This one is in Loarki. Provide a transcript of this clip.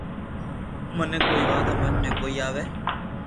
مني ڪوئي وات ھمج ۾ ڪوئي َآوي